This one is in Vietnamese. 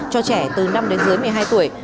cho trẻ từ năm đến dưới một mươi hai tuổi